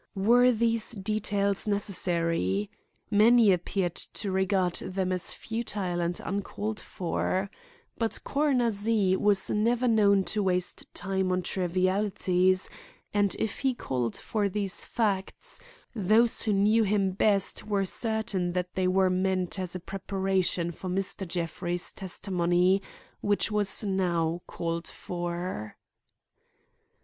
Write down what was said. Were these details necessary? Many appeared to regard them as futile and uncalled for. But Coroner Z. was never known to waste time on trivialities, and if he called for these facts, those who knew him best felt certain that they were meant as a preparation for Mr. Jeffrey's testimony, which was now called for.